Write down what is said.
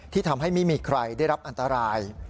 ทำให้ไม่มีใครได้รับอันตราย